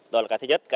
đó là cái thứ nhất